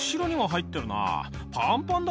パンパンだ。